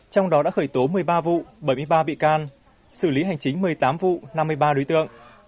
trong đó đã khởi tố một mươi ba vụ bảy mươi ba bị can xử lý hành chính một mươi tám vụ năm mươi ba đối tượng